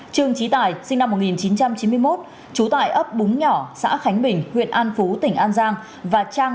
trương trí tài sinh năm một nghìn chín trăm chín mươi một chú tài ấp búng nhỏ xã khánh bình huyện an phú tỉnh an giang